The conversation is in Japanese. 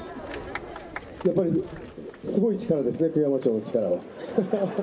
やっぱりすごい力ですね、栗山町の力は。